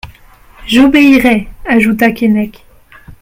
J'obéirai ! ajouta Keinec.